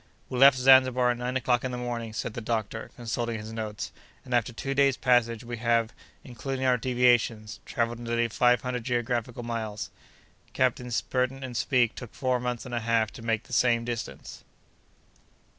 "We left Zanzibar at nine o'clock in the morning," said the doctor, consulting his notes, "and, after two days' passage, we have, including our deviations, travelled nearly five hundred geographical miles. Captains Burton and Speke took four months and a half to make the same distance!"